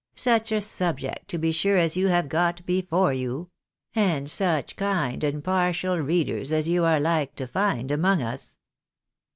Such a subject to be sure as you have got before you ; and such kind and partial readers as you are like to find among us."